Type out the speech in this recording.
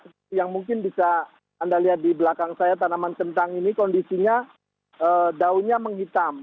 seperti yang mungkin bisa anda lihat di belakang saya tanaman kentang ini kondisinya daunnya menghitam